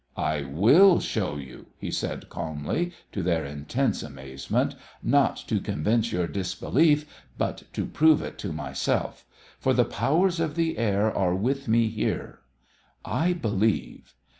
"I will show you," he said calmly, to their intense amazement; "not to convince your disbelief, but to prove it to myself. For the powers of the air are with me here. I believe.